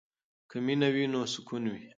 که مینه وي نو سکون وي.